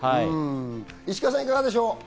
石川さん、いかがでしょう。